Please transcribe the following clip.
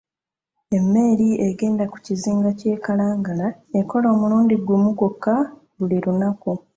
Emmeri egenda ku kizinga ky'e Kalangala ekola omulundi gumu gwokka buli lunaku.